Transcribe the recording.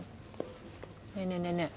ねえねえねえねえ。